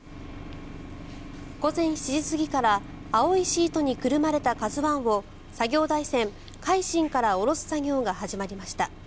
午前７時過ぎから青いシートにくるまれた「ＫＡＺＵ１」を作業台船「海進」から下ろす作業が始まりました。